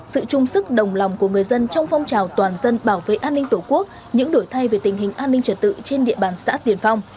sự trung sức đồng lòng của người dân trong phong trào toàn dân bảo vệ an ninh tổ quốc